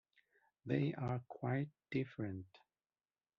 They are quite different.